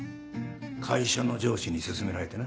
会社の上司に薦められてな。